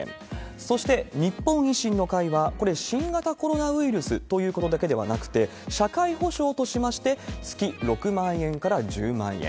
そして日本維新の会は、これ、新型コロナウイルスということだけではなくて、社会保障としまして、月６万円から１０万円。